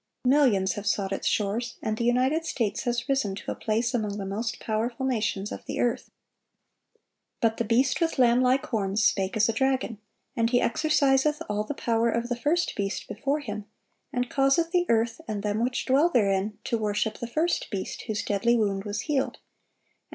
Millions have sought its shores, and the United States has risen to a place among the most powerful nations of the earth. But the beast with lamb like horns "spake as a dragon. And he exerciseth all the power of the first beast before him, and causeth the earth and them which dwell therein to worship the first beast, whose deadly wound was healed; and